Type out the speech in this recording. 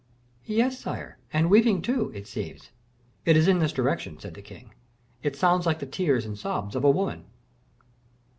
"Yes, sire, and weeping, too, it seems." "It is in this direction," said the king. "It sounds like the tears and sobs of a woman."